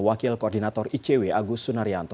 wakil koordinator icw agus sunaryanto